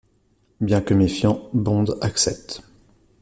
Bien que méfiant, Bond accepte.